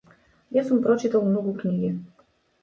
Јас сум прочитал многу книги.